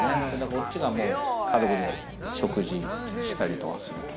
こっちが家族で食事したりとかする所。